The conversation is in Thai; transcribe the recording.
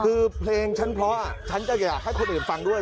คือเพลงฉันเพราะฉันจะอยากให้คนอื่นฟังด้วย